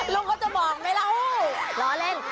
ลุงก็จะบอกไหมละฮู้ล้อเล่น